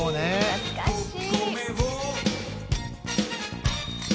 懐かしい。